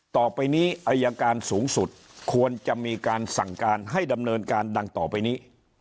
ต่อไปนี้อายการสูงสุดควรจะมีการสั่งการให้ดำเนินการดังต่อไปนี้